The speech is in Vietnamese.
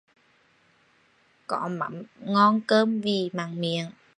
Có mắm, ngon cơm vì mặn miệng